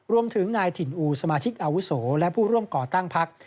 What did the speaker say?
รวมถึงนายถิ่นอูสมาชิกอาวุโสและผู้ร่วมก่อตั้งพัก